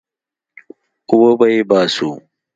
وبې يې باسو.